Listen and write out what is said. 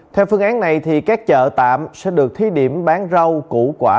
theo phương án này các chợ tạm sẽ được thí điểm bán rau củ quả